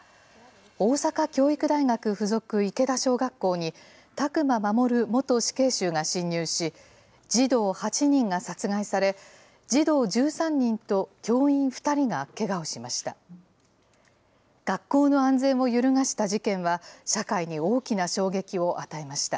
大阪教育大学附属池田小学校に、宅間守元死刑囚が侵入し、児童８人が殺害され、児童１３人と教員２人がけがをしました。